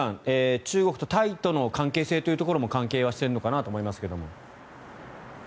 中国とタイとの関係性も関係しているのかなと思いますが。